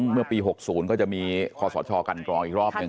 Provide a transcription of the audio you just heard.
เมื่อปี๖๐ก็จะมีคอสชกันกรองอีกรอบหนึ่ง